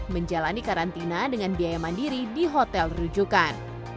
menjalani karantina dengan biaya mandiri di hotel rujukan